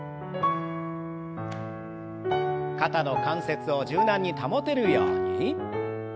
肩の関節を柔軟に保てるように。